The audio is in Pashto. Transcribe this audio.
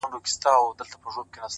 دا ټپه ورته ډالۍ كړو دواړه”